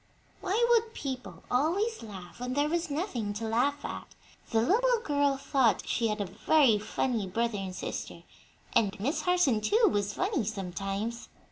Why would people always laugh when there was nothing to laugh at? The little girl thought she had a very funny brother and sister, and Miss Harson, too, was funny sometimes.